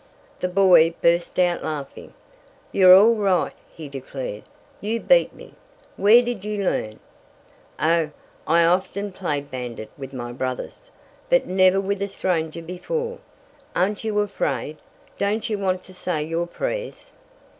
The boy burst out laughing. "You're all right!" he declared. "You beat me! Where did you learn?" "Oh, I often played bandit with my brothers, but never with a stranger before. Aren't you afraid? Don't you want to say your prayers?"